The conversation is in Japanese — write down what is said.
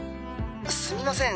「すみません